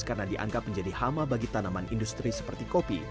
karena dianggap menjadi hama bagi tanaman industri seperti kopi